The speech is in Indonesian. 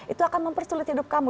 itu akan mempersulit hidup kamu